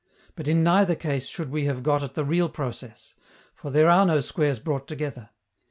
But in neither case should we have got at the real process, for there are no squares brought together.